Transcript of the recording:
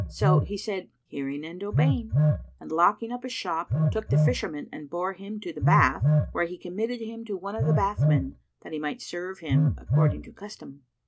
So he said "Hearing and obeying," and locking up his shop, took the Fisherman and bore him to the bath, where he committed him to one of the bathmen, that he might serve him, according to custom.